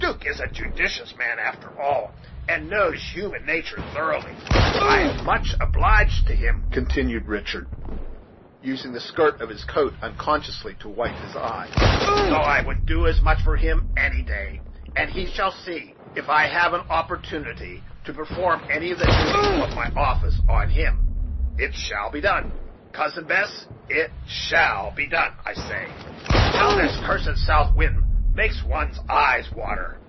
'Duke is a judicious man after all, and knows human nature thoroughly, I'm much obliged to him," continued Richard, using the skirt of his coat unconsciously to wipe his eyes; "though I would do as much for him any day, as he shall see, if I have an opportunity to perform any of the duties of my office on him. It shall be done, Cousin Bess it shall be done, I say. How this cursed south wind makes one's eyes water!"